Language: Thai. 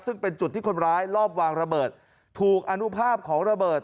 ซึ่งเป็นจุดที่คนร้ายรอบวางระเบิดถูกอนุภาพของระเบิด